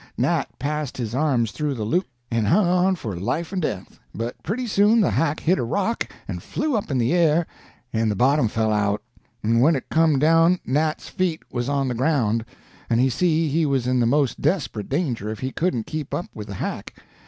Nat passed his arms through the loops and hung on for life and death, but pretty soon the hack hit a rock and flew up in the air, and the bottom fell out, and when it come down Nat's feet was on the ground, and he see he was in the most desperate danger if he couldn't keep up with the hack.